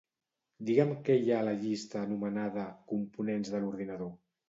Digue'm què hi ha a la llista anomenada "components de l'ordinador".